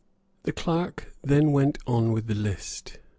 The clerk then went on with the list.